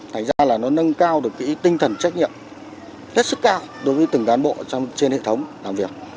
thành ra là nó nâng cao được cái tinh thần trách nhiệm rất sức cao đối với từng đàn bộ trên hệ thống làm việc